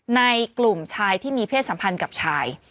ในกลุ่มชายที่มีเพศสัมพันธ์กับชาย